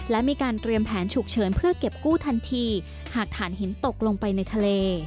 และมีการเตรียมแผนฉุกเฉินเพื่อเก็บกู้ทันทีหากฐานหินตกลงไปในทะเล